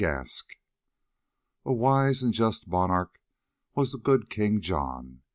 Gask A wise and just monarch was the good King John.